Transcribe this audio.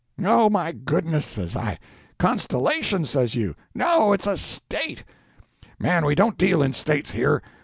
"Oh, my goodness!" says I. "Constellation, says you? No—it's a State." "Man, we don't deal in States here.